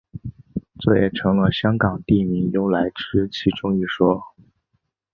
这也成了香港地名由来之其中一说。